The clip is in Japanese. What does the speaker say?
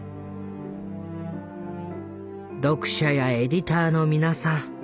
「読者やエディターの皆さん